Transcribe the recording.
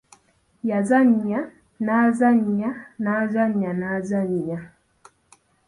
Yazannya, n’azannya, n’azannya n’azannaya.